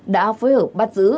đã phối hợp bắt giữ